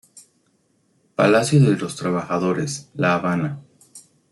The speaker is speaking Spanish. Palacio de los Trabajadores, La Habana.